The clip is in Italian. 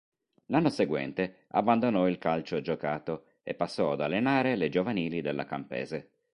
L'anno seguente abbandonò il calcio giocato e passò ad allenare le giovanili della Campese.